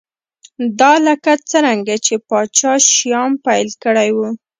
دا لکه څرنګه چې پاچا شیام پیل کړی و